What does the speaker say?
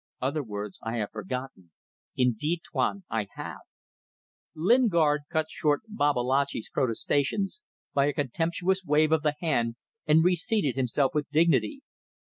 Other words I have forgotten. Indeed, Tuan, I have ..." Lingard cut short Babalatchi's protestations by a contemptuous wave of the hand and reseated himself with dignity.